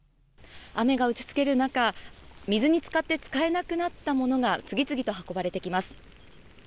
雨が打ちつける中水につかって使えなくなったものが次々と運ばれてきます。